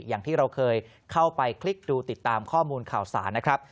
อย่างที่เราเคยเข้าไปคลิกดูติดตามข้อมูลข่าวสารนะครับ